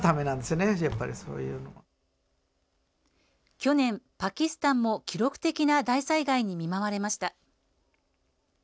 去年、パキスタンも記録的な大災害に見舞われました。